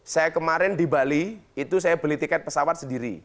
saya kemarin di bali itu saya beli tiket pesawat sendiri